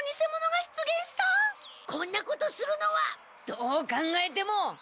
どう考えても！